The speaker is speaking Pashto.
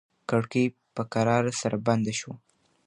کړکۍ په کراره سره بنده شوه.